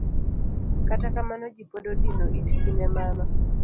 Kata kamano ji pod odino itgi ne mano.